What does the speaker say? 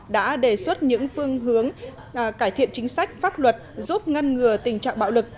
đã đề xuất những phương hướng cải thiện chính sách pháp luật giúp ngăn ngừa tình trạng bạo lực